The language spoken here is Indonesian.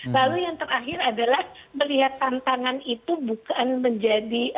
lalu yang terakhir adalah melihat tantangan itu bukan menjadi